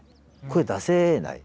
声出せない。